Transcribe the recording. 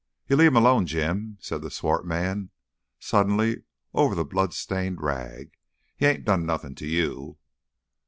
"You leave 'im alone, Jim," said the swart man suddenly over the blood stained rag. "He ain't done nothing to you."